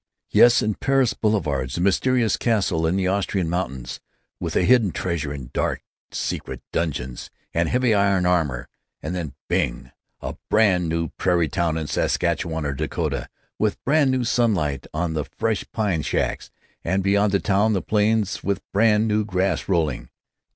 "Yes! And Paris boulevards and a mysterious castle in the Austrian mountains, with a hidden treasure in dark, secret dungeons, and heavy iron armor; and then, bing! a brand new prairie town in Saskatchewan or Dakota, with brand new sunlight on the fresh pine shacks, and beyond the town the plains with brand new grass rolling."